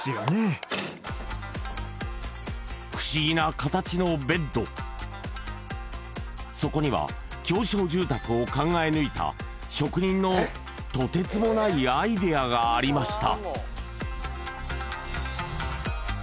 これにはそこには狭小住宅を考え抜いた職人のとてつもないアイデアがありました